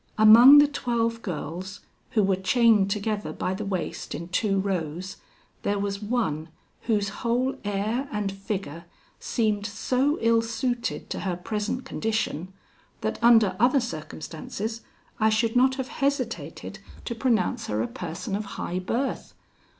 Among the twelve girls, who were chained together by the waist in two rows, there was one, whose whole air and figure seemed so ill suited to her present condition, that under other circumstances I should not have hesitated to pronounce her a person of high birth.